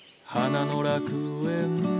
「花の楽園」